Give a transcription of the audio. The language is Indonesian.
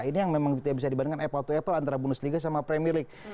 ini yang memang bisa dibandingkan apple to apple antara bundesliga sama premier league